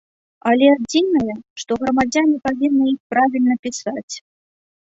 Але адзінае, што грамадзяне павінны іх правільна пісаць.